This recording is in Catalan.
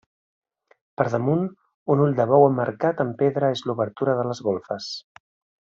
Per damunt, un ull de bou emmarcat amb pedra és l’obertura de les golfes.